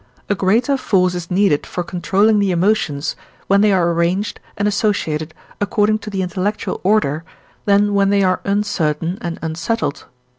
a greater force is needed for controlling the emotions, when they are arranged and associated according to the intellectual order, than when they, are uncertain and unsettled.